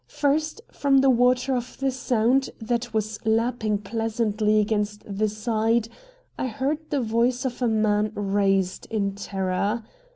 First, from the water of the Sound, that was lapping pleasantly against the side, I heard the voice of a man raised in terror.